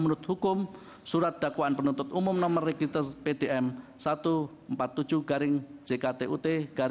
menurut hukum surat dakwaan penuntut umum nomor regitir pdm satu ratus empat puluh tujuh jktut dua belas dua ribu enam belas